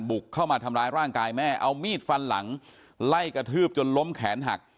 บุกเข้ามาทำร้ายร่างกายแม่เอามีดฟันหลังไล่กระทืบจนล้มแขนหัก